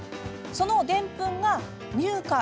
その、でんぷんが乳化。